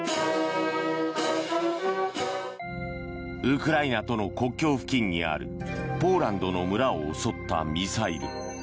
ウクライナとの国境付近にあるポーランドの村を襲ったミサイル。